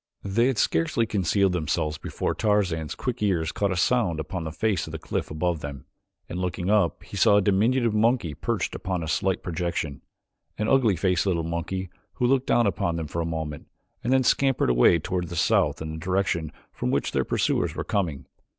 They had scarcely concealed themselves before Tarzan's quick ears caught a sound upon the face of the cliff above them, and looking up he saw a diminutive monkey perched upon a slight projection an ugly faced little monkey who looked down upon them for a moment and then scampered away toward the south in the direction from which their pursuers were coming.